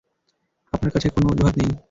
আপনার কাছে কোন অজুহাত নেই।